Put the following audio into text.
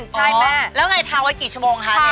ใช่แม่อ๋อแล้วไงทาไว้กี่ชั่วโมงคะเนี่ย